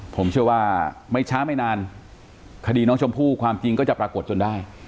ผมเชื่อว่าไม่ช้าไม่นานคดีน้องชมพู่ความจริงก็จะปรากฏจนได้